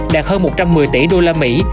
đạt hơn một trăm một mươi tỷ đô la mỹ